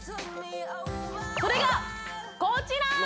それがこちら！